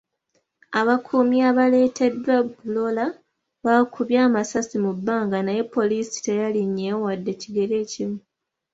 Abakuumi abaleeteddwa Bulola baakubye amasasi mu bbanga naye poliisi teyalinnyewo wadde ekigere ekimu.